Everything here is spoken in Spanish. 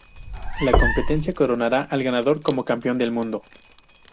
La competencia coronará al ganador como campeón del mundo.